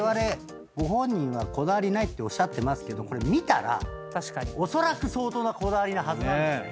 ご本人は「こだわりない」っておっしゃってますけどこれ見たらおそらく相当なこだわりなはずなんですよ